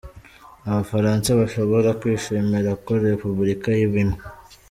Abafaransa bashobora kwishimira ko Repuburika iba imwe.